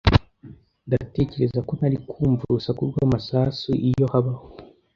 Ndatekereza ko nari kumva urusaku rw'amasasu iyo habaho.